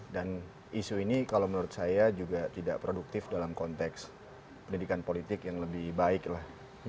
dan isu ini kalau menurut saya juga tidak produktif dalam konteks pendidikan politik yang lebih baiklah